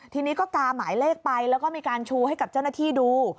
ทีนี้ก็กาหมายเลขไปแล้วก็มีการชูให้กับเจ้าหน้าที่ดู